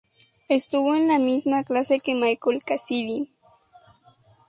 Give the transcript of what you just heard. Estuvo en la misma clase que Michael Cassidy.